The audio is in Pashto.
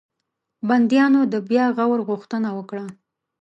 بنديانو د بیا غور غوښتنه وکړه.